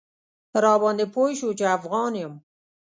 راباندې پوی شو چې افغان یم.